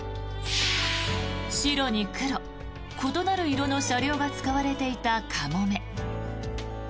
白に黒、異なる色の車両が使われていたかもめ。